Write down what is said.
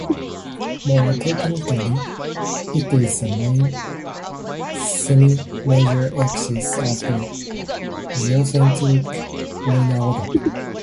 More technically, it is the mean semi-major axis of the geocentric lunar orbit.